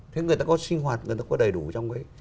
thế người ta có sinh hoạt người ta có đầy đủ chẳng hạn